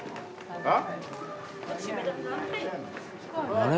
あれ？